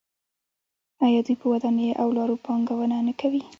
آیا دوی په ودانیو او لارو پانګونه نه کوي؟